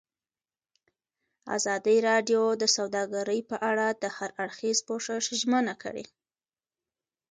ازادي راډیو د سوداګري په اړه د هر اړخیز پوښښ ژمنه کړې.